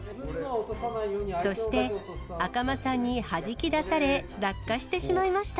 そして、あかまさんにはじき出され落下してしまいました。